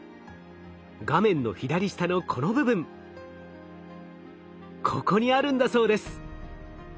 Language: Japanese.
画面の左下のこの部分ここにあるんだそうです。